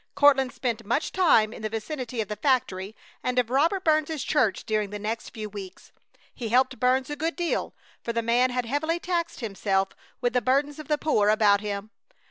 Courtland spent much time in the vicinity of the factory and of Robert Burns's church during the next few weeks. He helped Burns a good deal, for the man had heavily taxed himself with the burdens of the poor about him.